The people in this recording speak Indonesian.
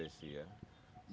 ada cerita menarik mbak desi ya